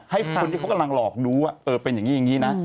ให้คนที่เขากำลังหลอกดูว่าเป็นอย่างนี้อย่างนี้นะ